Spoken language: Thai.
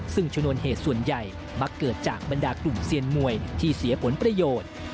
ซึ่งชนวนเหตุส่วนใหญ่มักเกิดจากบรรดากลุ่มเซียนมวยที่เสียผลประโยชน์